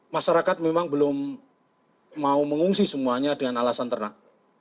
masyarakat memang belum mau mengungsi semuanya dengan alasan ternak